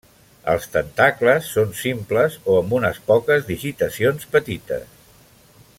Els tentacles són simples o amb unes poques digitacions petites.